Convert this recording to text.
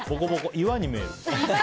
岩に見える。